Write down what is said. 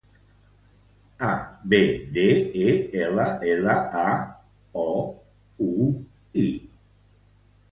El cognom és Abdellaoui: a, be, de, e, ela, ela, a, o, u, i.